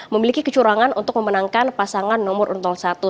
memiliki kecurangan untuk memenangkan pasangan nomor urut satu